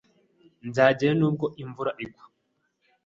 Nzajyayo nubwo imvura yagwa.